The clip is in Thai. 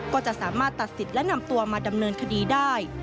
ก็จะสามารถตัดสิทธิ์และนำตัวมาดำเนินคดีได้